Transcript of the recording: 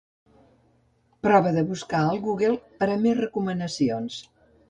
Prova de buscar al Google per a més recomanacions.